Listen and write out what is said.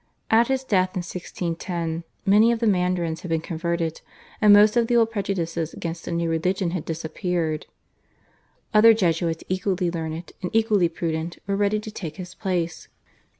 At his death in 1610 many of the mandarins had been converted, and most of the old prejudices against the new religion had disappeared. Other Jesuits equally learned and equally prudent were ready to take his place.